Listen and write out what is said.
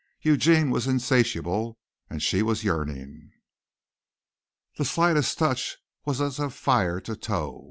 Eugene was insatiable and she was yearning. The slightest touch was as fire to tow.